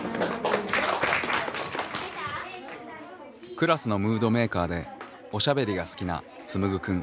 クラスのムードメーカーでおしゃべりが好きなつむぐくん。